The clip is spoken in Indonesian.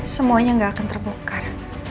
semuanya gak akan terbongkar